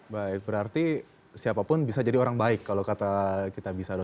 baik berarti siapapun bisa jadi orang baik kalau kata kitabisa